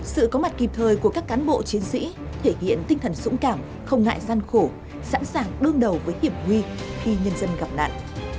sự có mặt kịp thời của các cán bộ chiến sĩ thể hiện tinh thần dũng cảm không ngại gian khổ sẵn sàng đương đầu với hiểm nguy khi nhân dân gặp nạn